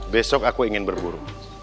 besok aku ingin berburu